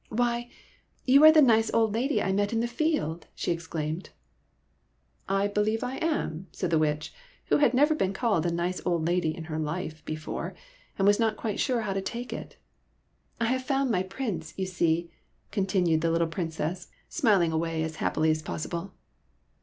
" Why, you are the nice old lady I met in the field," she exclaimed. '' I believe I am," said the Witch, who had never been called a nice old lady in her life before, and was not quite sure how to take it. " I have found my Prince, you see," contin ued the little Princess, smiling away as happily as possible.